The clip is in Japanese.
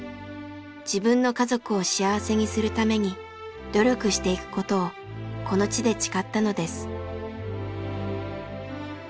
自分の家族を幸せにするために努力していくことをこの地で誓ったのです。